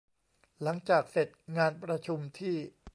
หลังจากเสร็จงานประชุมที่